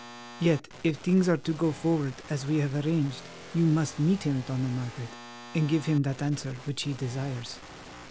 "Yet, if things are to go forward as we have arranged, you must meet him, Dona Margaret, and give him that answer which he desires.